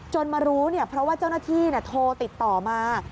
มารู้เพราะว่าเจ้าหน้าที่โทรติดต่อมา